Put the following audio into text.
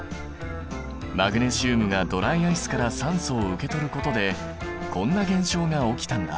マグネシウムがドライアイスから酸素を受け取ることでこんな現象が起きたんだ。